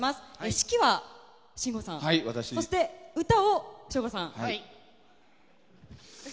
指揮は信五さんそして、歌を省吾さん。